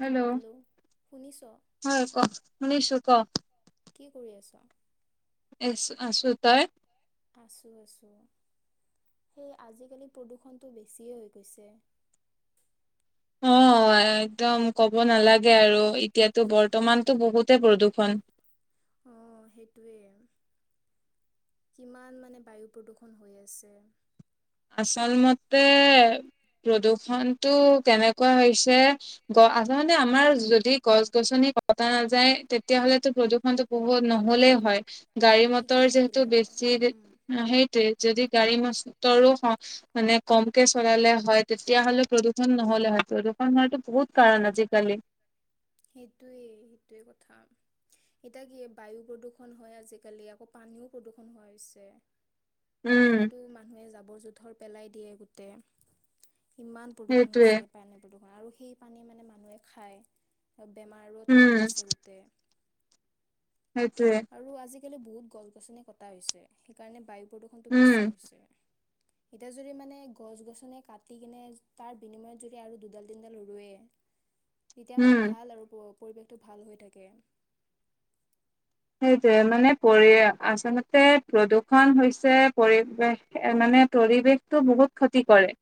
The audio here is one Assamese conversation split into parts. হেল্ল' শুনিছ হয় ক মনিষু ক কি কৰি আছ আছোতাত আছোঁ আছোঁ সেয়ে আজিকালি প্ৰদূষণটো বেছিয়ে হৈ গৈছে অ [unintelligible] একদম ক'ব নালাগে আৰু এতিয়াতো বৰ্তমানতো বহুতে প্ৰদূ্ষণ, অ সেইটোৱে। কিমান মানে বায়ু প্ৰদূৰষণ হৈ আছে। আচল মতে প্ৰদূষণতটো কেনেকুৱা হৈছে, গ আচলতে আমাৰ যদি গছ-গছনি পতা নাযায় তেতিয়াাহলেতো প্ৰদূৰষণতটো বহুত নহলেই হয় অঁ গাড়ী মটৰ ঠিকেই যিহেতু থাকিলে হয় বেছি উম, সেইটোোৱে যদি গাড়ী মটৰো মানে কমকে চলালে হয় তেতিয়া হলে প্ৰদূষণ নহ'লে হয় প্ৰদূষণ হতটো বহুত কাৰণ আজিকালি সেইটোৱে সেইটোৱে কথা এতিয়া কি বায়ু প্ৰদূৰ্ষণ হয় আজিকালি আকৌ পানীও প্ৰদূৰ্ষণ হ হৈছে উম পানীটো মানুহে জাবৰ-জোথৰ পেলাই দিয়ে গোটেই। ইমান প্ৰদূষণ সেইটোৱে হৈছে, পানী প্ৰদূষণ আৰু সেই পানী মানে মানুহে খায়। বেমাৰো উম পৰিছে গোটেই, সেইটোৱে, আৰু আজিকালি বহুত গছ-গছনি কটা হৈছে। সেইকাৰণে বায়ু প্ৰদূষণটো উম বেছি হৈছে। এতি যুৰি মানে গছ-গছনে কাটি কিনে, তাৰ বিনিময়ত যদি আৰু দুডাল তিনিডাল ৰুৱে তেতিয়া মানে উম ভাল আৰু পৰিৱেশটো ভাল হৈ থাকে। সেইটয়ে মানে পৰি, আচলতে প্ৰদূষণ হৈছে পৰিৱেশ মানে পৰিৱেশতো বহুত ক্ষতি কৰে,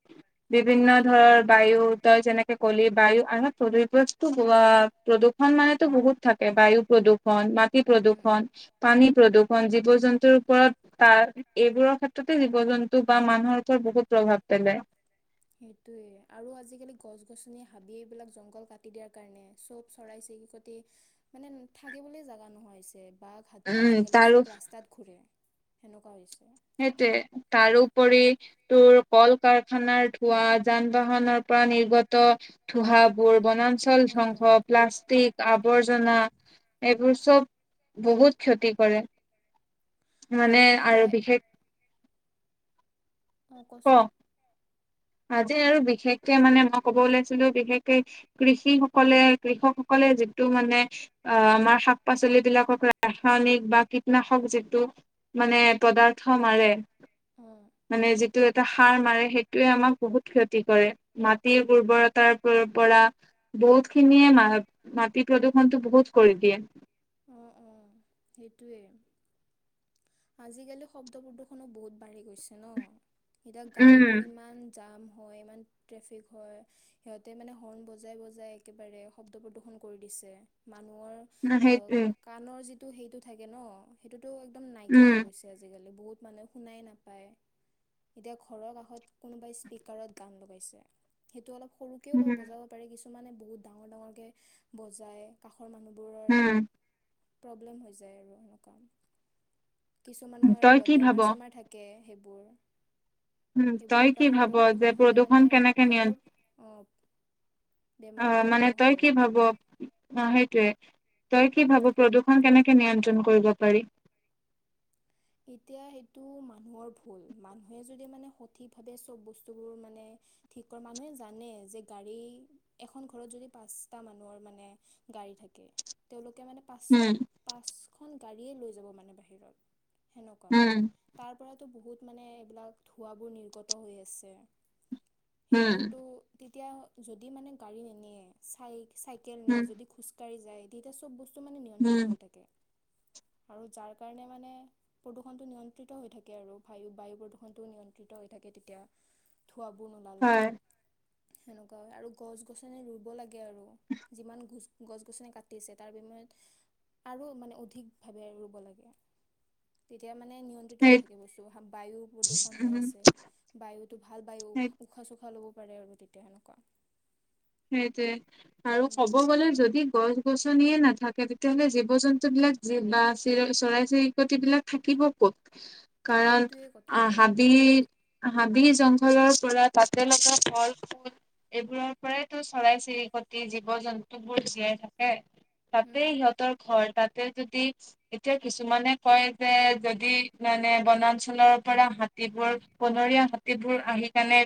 বিভিন্ন ধৰৰ বায়ু, তই যেনেকে ক'লি বায়ু আহ প্ৰূষস্তু প্ৰদূৰ্ষণ মানে বহুত থাকে বায়ু প্ৰদূৰণ ম উম। উম। প্ৰদূষণ, পানী প্ৰদূষণ জীৱ-জন্তুৰ ওপৰত, তাৰ এইবোৰৰ ক্ষেত্ৰতে জীৱ জন্তু বা মানুহৰ ওপৰত বহুত ভাব পেলায়, সেইটোয়ে আৰু আজিকালি গছ গছনি হাবি এইবিলাক জংঘল কাটি দিয়াৰ কাৰণে চব চৰাই ক মানে থাকিবলৈ জাগা নোহোৱা হৈছে। বাঘ, হাতী উম আজিকালি তাৰো চব ৰাস্তাত ঘূৰে, সেনেকুৱা হৈছে। সেইটয়ে। তাৰোপৰি উম। তোৰ কল কাৰখানাৰ ধোঁৱা, যান বাহনৰ পৰা নিৰ্গত ধোঁৱাবোৰ, বন চল অ'। ধ্বংস, প্লাষ্টিক আৱৰ্জনা এইবোৰ চব, বহুত ক্ষতি কৰে। মানে আৰু বিশেষ অঁ কওচোন, আজি আৰু বিশেষকে মানে মই কব ওলাইছিলো বিশেষকে কৃষি সকলে কৃষকসকলে যিটো মানে অ আমাৰ শাক-পাচলি বিলাকক ৰাসায়নিক বা কীটনাশক যিটো মানে পদাৰ্থ মাৰে, অঁ মানে যিটো এটা সাৰ মাৰে, সেইটোয়ে আমাক বহুত ক্ষতি কৰে। মাটিৰ উৰ্বৰতাৰ পৰা বহুত খিনিয়ে মাটি প্ৰদূৰষণটো বহুত কৰি দিয়ে। অ অঁ সেইটোৱেই। আজিকালি শব্দ প্ৰদূ্ষনো বহুত বাঢ়ি গৈছে ন, এতিয়া গাড়ীবোৰ উম ইমান জাম হয়। ইমান ট্ৰেফিক হয়। সিহঁতে মানে হৰ্ণ বজাই-বজাই একেবাৰে শব্দ প্ৰদূষণ কৰি দিছে, মানুহৰ ন আহ কাণৰ যিটো সেইটো থাকে ন, সেইটোতো একদম নাইকিয়াই হৈ উম গৈছে আজিকালি। বহুত মানুহে শুনাই নাপায়, এতিয়া ঘৰৰ কাষত কোনবাই স্পিকাৰত গান বজাইছে, সেইটো অলপ সৰুকেও উম অলপ বজাব পাৰে, কিছুমানে বহুত ডাঙৰ-ডাঙৰ কে বজায়। কাষৰ মানুহ উম। প্ৰব্লেম হৈ যায় আৰু এনেকুৱা উম তই কিছুমানৰ কি ভাব বেমাৰ চেমাৰ থাকে। সেইবোৰ উম তই সেইবোৰৰ কি কাৰ ভাব শব্দ যে প্ৰদূ্ষন হ'লে প্ৰদূষণ মানে কেনেকে সিহঁতৰ আহ। অ' মানে তই কি আৰু ভাব তই কি ভাব প্ৰদূৰ্ষণ কেনেকে নিয়ন্ত্ৰণ কৰিব পাৰি। এতিয়া এইটো মানুহৰ ভুল মানুহে যদি মানে সঠিক ভাৱে চ'ব বস্তুবোৰ মানে মানুহে জানে যে গাড়ী এখন ঘৰত যদি পাঁচটা মানুহৰ মানে গাডী থাকে, তেওঁলোকে মানে উম পাঁচখন- পাঁচখন গৰীয়ে লৈ যাব মানে বাহিৰত সেনেকুৱা। উম তাৰ পৰাতো বহুত মানে এইবিলাক ধোঁৱ বোৰ নিৰ্গত হৈ আছে। উম সেইবোৰতো তেতিয়া যদি মানে গাড়ী নিনিয়ে, চাই চাইকেল নিয়ে, উম যদি খোজকাঢ়ি যায় তেতিয়া চব বস্তু মে উম নিয়ন্ত্ৰিত হৈ থাকে। আৰু যাৰ কাৰণে মানে প্ৰদূষণটো নিয়ন্ত্ৰিত হৈ থাকে আৰু, বায়ু প্ৰদূষণটো নিয়ন্ত্ৰিত হৈ থাকে তেতিয়া। ধোৱাব নোলালে হয় সেনেকুৱা আৰু গছ গছনি ৰুব লাগে আৰু যিমান ঘোচ। গছ গছনি কাটিছে তাৰ বিনিময়ত আৰু মানে অধিকভাৱে ৰুব লাগে। তেতিয়া মানে মানে নিয়ন্ত্ৰিত সেই হৈ থাকে বস্তু বায়ু প্ৰদূষণ হৈ উম আছে বায়ুতো ভাল বায়ু সেই উশাহ চোশাহ ল'ব আৰু তেতিয়া সেনেকুৱা সেইটোৱে আৰু ক'ব গ'লে যদি গছ গছনি নিয়ে নাথাকে তেতিয়াাহ'লে জীৱ জন্তু বিলাক বা চি চৰাই চিৰিকট বিলাক থাকিব ক'ত। কাৰণ সেইটোৱে কথা হাবি হাবি জংঘলৰ পৰা তাতে লগা ফল ফুল এইবোৰৰ। পৰাইটো চৰাই চিৰিকটি জীৱ জন্তু বোৰ জীয়াই থাকে। তাতে উম। সিহঁতৰ ঘৰ তাত। এতিয়া যদি এতিয়া কিছুমানে কয় যে, যদি মানে বনাঞ্চলৰ পৰা হাত হাতীবোৰ বনৰীয়া হাতীবোৰ আহি কেনে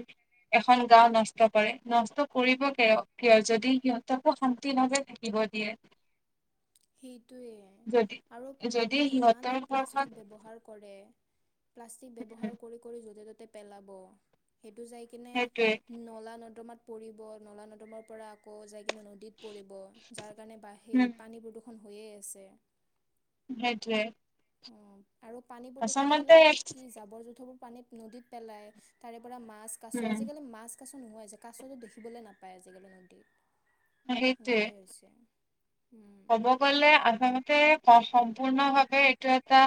এখন গাওঁ নষ্ট কৰে নষ্ট কৰিব কিয় কিয় যদি সিহঁতকো শান্তিভাৱে থাকিব দিয়ে। সেইটোয়ে যদি আৰু যদি মানুহে সিহঁতৰ ইমানে ঘৰখন প্লাষ্টিক ব্যৱহাৰ কৰে। প্লাষ্টিক ব্যৱহাৰ উম কৰি কৰি য'তে ত'তে পেলাব। সেইটো যাই কিনে সেইটোৱে নলা নৰ্দমাত পৰিব নলা নৰ্দমাৰ পৰা আকৌ যাই কিন্তু নদীত পৰিব যাৰ কাৰণে বা সেই উম পানী প্ৰদূষণ হৈয়ে আছে। হেইটোৱে অ', আৰু পানী প্ৰদূষণ হ'লে আকৌ কি জাবৰ জোঁথৰবোৰ পানীত নদীত পেলাই তাৰে পৰা মাছ কাছ উম আজিকালি মাছ কাছো নোহাই যে কাছতো দেখিবলৈ নাপায় আজিকালি নদীত। সেইটোৱে নকৰা হৈছে। উম, ক'ব গ'লে আচলতে সম্পূৰ্ণ ভাৱে এইটো এটা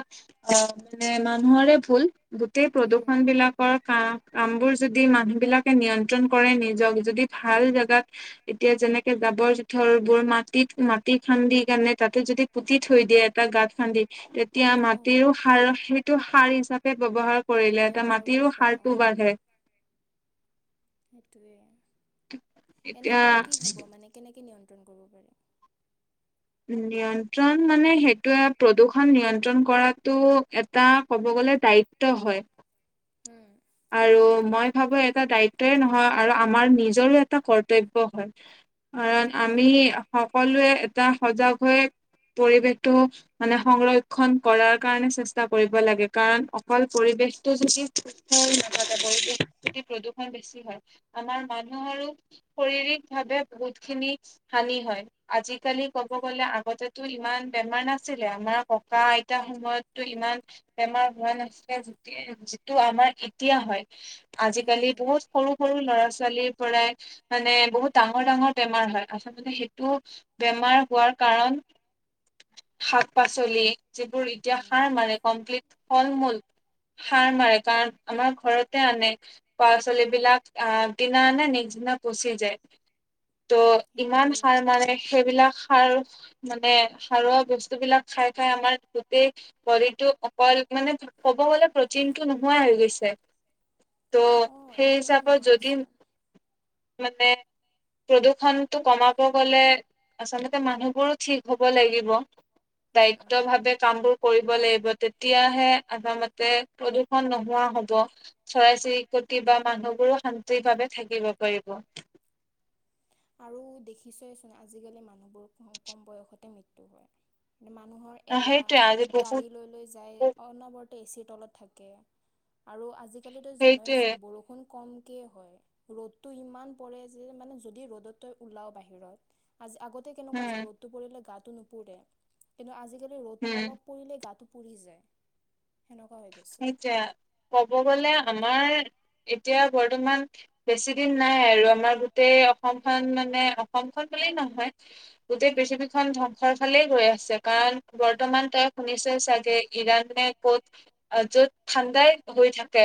আহ মানে মানুহৰে ভুল গোটেই উম। প্ৰদূষণ বিলাকৰ কাৰণ কাম বোৰ যদি মানুহ বিলাকে নিয়ন্ত্ৰন কৰে নিজক যদি ভাল জোগাত এতিয়া যেনেকে জাবৰ জোথৰ বোৰ মাটিত মাটি খান্দি কাৰণে তাতে যদি পুতি থৈ দিয়ে এটা গাঁত খান্দি এতিয়া অ'। মাটিৰো সাৰ, সেইটো সাৰ হিচাপে ব্যৱহাৰ অ', কৰিলে এটা ব্যৱহাৰ কৰিব মাটিৰো পাৰি সাৰটো অ'। বাহে। সেইটোৱে, এনে তই কি ভাব মানে কেনেকৈ নিয়ন্ত্ৰণ কৰিব পাৰি নিয়ন্ত্ৰণ মানে সেইটোয়ে প্ৰদূষণ নিয়ন্ত্ৰণ কৰাতটো এটা ক'ব গ'লে দায়িত্ব হয়। উম। আৰু মই ভাবো এটা দায়িত্বই নহয় আৰু আমাৰ নিজৰো এটা কৰ্তব্য হয়। কাৰণ অ', আমি অ'। সকলোৱে এটা সজাগ হৈ পৰিৱেশটো মানে সংৰক্ষণ কৰাৰ কাৰণে চেষ্টা কৰিব লাগে কাৰণ অকল পৰি ব্যস্ত প্ৰদূষণ বেছি হয় আমাৰ মানুহ আৰু শাৰীৰিক ভাৱে বহুত খিনি হয় আজিকালি কব গলে আগতেটো ইমান বেমাৰ নাছিলে আমাৰ ককা আইতা সময়তটো ইমান বেমাৰ হোৱা নাছিল যিটো আমাৰ এতিয়া হয় উম, আজিকালি উম। বহুত সৰু সৰু ল'ৰা ছোৱালীৰ পৰাই মানে বহুত ডাঙৰ ডাঙৰ বেমাৰ হয় আচলতে সেইটো বেমাৰ হোৱাৰ কাৰণ শাক পাচলি যিবোৰ এতিয়া উম, সাৰ মাৰে কমপ্লিট ফল মূল সাৰ মাৰে কাৰণ আমাৰ ঘৰতে আনে পৰছালী বিলাক আগ দিনা আনে নেক্স দিনা পচি যায়। ত' ইমান সেইটোৱে। সাৰ মাৰে সেইবিলাক সাৰ মানে সাৰুৱা বস্তুবিলাক খাই খাই আমাৰ গোটেই বডিটো অকল মানে ক'ব গ'লে প্ৰটিনটো নোহোৱা হৈ গৈছে। ত' অ', সেই একদমেই হিচাপেও নোহোৱা যদি হৈছে। মানে প্ৰদূৰ্ষনটো কমাব গ'লে আচলতে মানুহবোৰো ঠিক হ'ব লাগিব। উম দায়িত্ব উম। ভাৱে কাম বোৰ কৰিব লাগিব। তেতিয়াহে আচলতে মতে প্ৰদূষণ নোহোৱা হ'ব চৰাই চিৰিকটি বা মানুহবোৰো শান্তি ভাৱে থাকিব পাৰিব আৰু দেখিছেচোন আজিকালি মানুহবোৰ কম বয়সতে মৃত্যু হয় মানুহৰ অ' সেইটোৱে আজি এলাহ বহুত গাড়ী লৈ লৈ যায় অনবৰ্ত এ চি তলত থাকে আৰু আজিকাল সেইটোৱে জানোৱেচোন বৰষুণ কমকে হয় ৰ'দটো ইমান পৰে যে মানে যদি ৰ'দতই ওলাও বাহিৰত আজি আগতে কেনেকুৱা আছে উম, ৰ'দতটো পৰিলে গাটো নুপুৰে কিন্তু আজিকালি ৰ'দ হম, অলপ পৰিলে গা পুৰি যায় সেনেকুৱা হৈ গৈছে এতিয়া ক'ব গলে অ'। আমাৰ এতিয়া বৰ্তমান বেছি দিন নাই আৰু আমাৰ গোটেই অসমখন মানে অসমখন বুলি নহয় গোটেই হম। পৃথিৱীখন ধংস ভালেই গৈ আছে কাৰণ বৰ্তমান তই শুনিছে চাগে ইৰাণে ক'ত অ য'ত ঠাণ্ডাই হৈ থাকে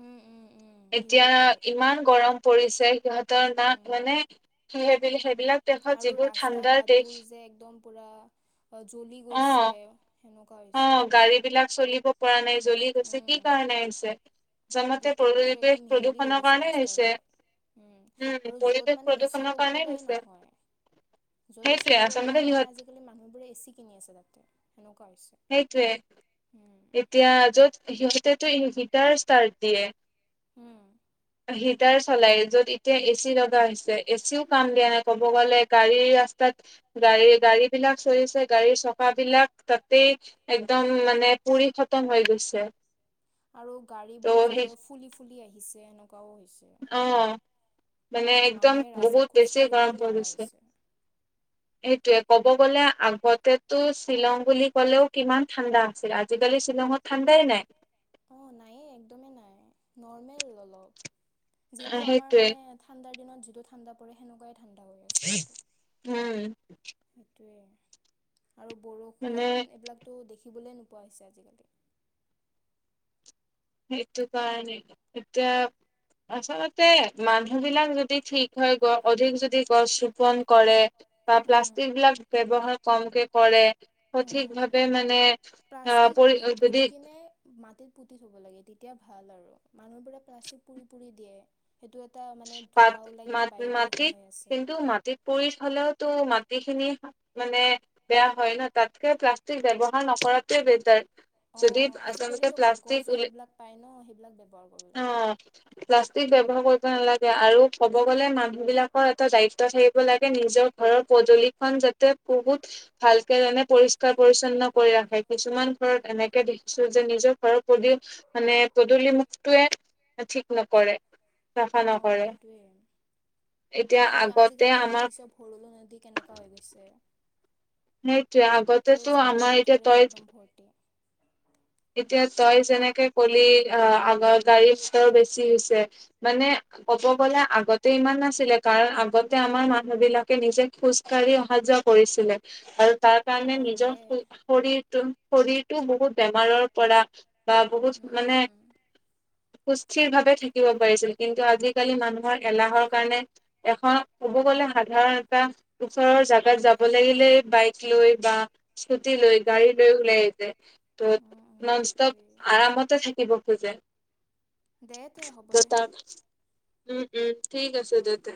উম, উম, উম, এতিয়া ইউৰোপত। ইমান গৰম পৰিছে সিহঁত ত না উম, মানে সেইবিলাক দেশত আৰু যিবোৰ ৰাস্তা ঠাণ্ডাৰ ঘাট দেশ বোৰ যে একদম পুৰা জ্বলি অ গৈছে সেনেকুৱা অ হৈছে গাড়ী বিলাক চলিব পৰা নাই জ্বলি গৈছে কি উম, কাৰণে হৈছে জামতে গোটেইবোৰ একদম পৰিৱেশ মিহলি হৈ প্ৰদূষণৰ গৈছে কাৰণেই ৰাস্তাৰ হৈছে লগত। উম আৰু যত পৰিৱেশ মানে এচি প্ৰদূষণৰ ল'ব কাৰণে লগাই হৈছে নহয় যত এ চি সেইটোয়ে ল'ব আচলতে লগাই নহয় সিহঁত আজিকালি মানুহবোৰে এ চি কিনি আছে তাতে সেনেকুৱা সেইটোয়ে হৈছে এতিয়া য'ত সিহঁতেটো হিটাৰ ষ্টাৰ্ট দিয়ে। উম', হিটাৰ চলাই, য'ত এতিয়া এ চি লগা হৈছে। এ চিও কাম দিয়া নাই ক'ব গ'লে গাড়ীৰ ৰাস্তাত গাড়ী গাড়ী বিলাক চলিছে গাড়ীৰ চকা বিলাক, তাতেই একদম মানে পুৰি খতম হৈ গৈছে। আৰু ত' গাড়ীবোৰ যে সেই ফুলি ফুলি আহিছে এনেকুৱাও হৈছে। অ মানে অ একদম মানুহে ৰাস্তাত বহুত বেছি খোজকাঢ়িবও গৰম হৈ নোৱাৰা গৈছে। হৈছে সেইটোৱে, ক'ব গ'লে আগতেটো শ্বিলং বুলি ক'লেও কিমান ঠাণ্ডা আছিল। আজিকালি শ্বিলঙত ঠাণ্ডা ই নাই অ নাইে একদমেই নাই নৰ্মেল হৈ যাব। যিটো আমাৰ সেইটোৱে মানে ঠাণ্ডাৰ দিনত যিটো ঠাণ্ডা পৰে। সেনেকুৱা উম', সেইটোৱে আৰু মানে বৰষুণ এইবিলাকটো দেখি শিকিবলৈ নোপোৱা হৈছে আজিকালি। সেইটো কাৰণেই এতিয়া, আচলতে, মানুহ বিলাক যদি ঠিক হয় গৈ অধিক যদি গছ ৰোপন কৰে। বা প্লাষ্টিক বিলাক ব্যৱহাৰ কমকে কৰে। সঠিক অ', ভাৱে মানে আহ প্লাষ্টিক পৰি যদি পুৰি কিনে মাটিত পুতি থব লাগে। এতিয়া ভাল আৰু মানুহবোৰে প্লাষ্টিক পুৰি পুৰি দিয়ে। সেইটো এটা মানে পাত ধোঁৱা ওলাই কিনে মাটি বায়ু প্ৰদূষণ মাটিত হৈ আছে কিন্তু মাটিত পুৰি থলেও তো মাট খিনি মানে বেয়া হয় ন তাতকে প্লাষ্টিক ব্যৱহাৰ নকৰাটোৱে বেটাৰ। অ', যদি অ', আচলতে আজিকালিটো প্লাষ্টিক কাগজৰ উলি- এইবিলাক পায় ন? সেইবিলাক ব্যৱহাৰ কৰিব লাগে। কি উম। ব্যৱহাৰ কৰিবা? নালাগে আৰু ক'ব গলে মানুহ বিলাকৰ এটা দায়িত্ব থাকিব লাগে। নিজৰ ঘৰৰ পদূলিখন যাতে বহুত ভালকে মানে পৰিষ্কাৰ পৰি্ছন্ন কৰি ৰাখে। কিছুমান ঘৰত এনেকে দেখিছোঁ যে নিজৰ ঘৰৰ পদূলি, মানে পদূলি মুুখটোৱে ঠিক নকৰে। চাফা অ', নকৰে। সেইটোৱে এতিয়া আৰু আগতে আজিকালিতো আমাৰ দেখিছ ভৰলো নদী কেনেকুৱা হৈ গৈছে। সেইটোৱেই আগতে গোটেই টো জাবৰ আমাৰ এতিয়া জোথৰে তই একদম ভৰ্তি এতিয়া তই যেনেকে কলি অ আগৰ গাড়ীৰ স্তৰ বেছি হৈছে। মানে ক'ব গ'লে আগতে ইমান নাছিলে। কাৰণ আগতে আমাৰ মানুহ বিলাকে নিজে খোজ কাঢ়ি অহা-যোৱা কৰিছিলে আৰু তাৰ কাৰণে অ', নিজৰ দে শৰ শৰীৰটোৰ শৰীৰটোও বহুত বেমাৰৰ পৰা, বা বহুত উম, মানে উম, [inaudible] সুস্থিৰ ভাৱে থাকিব পাৰিছিল। কিন্তু আজিকালি মানুহৰ এলাহৰ কাৰণে এখন ক'ব গ'লে সাধাৰণ এটা ওচৰৰ জাগাত যাব লাগিলে, বাইক লৈ বা স্কুটি লৈ গাড়ী এই দৰে ওলাইয়ে যায় উম, ত উম, নন সেইটোৱে। ষ্টপ আৰামতে থাকিব খোজে। দে দে হ'ব ত' দে। তাক উম ঠিক আছে দে